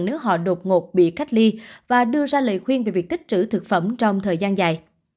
nếu họ đột ngột bị cách ly và đưa ra lời khuyên về việc tích trữ thực phẩm trong thời gian dài